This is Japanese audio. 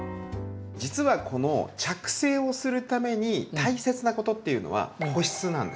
実はこの着生をするために大切なことっていうのは保湿なんです。